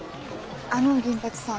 あの銀八さん。